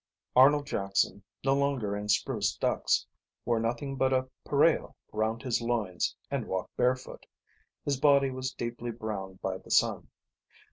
Arnold Jackson, no longer in spruce ducks, wore nothing but a pareo round his loins and walked barefoot. His body was deeply browned by the sun.